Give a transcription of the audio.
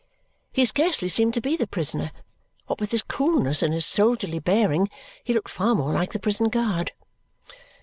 He scarcely seemed to be the prisoner. What with his coolness and his soldierly bearing, he looked far more like the prison guard.